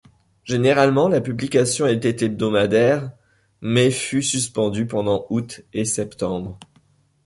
Généralement la publication était hebdomadaire, mais fut suspendue pendant août et septembre.